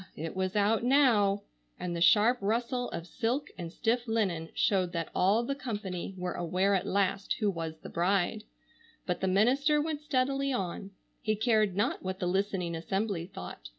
It was out now! and the sharp rustle of silk and stiff linen showed that all the company were aware at last who was the bride; but the minister went steadily on. He cared not what the listening assembly thought.